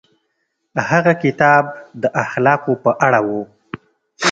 هغه کتاب د اخلاقو په اړه و.